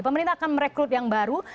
pemerintah akan merekrut yang baru